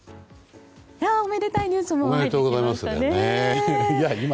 おめでたいニュースが入ってきましたね。